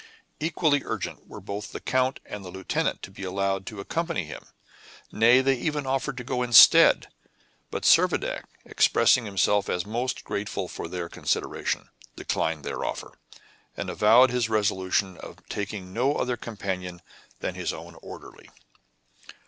Equally urgent were both the count and the lieutenant to be allowed to accompany him; nay, they even offered to go instead; but Servadac, expressing himself as most grateful for their consideration, declined their offer, and avowed his resolution of taking no other companion than his own orderly.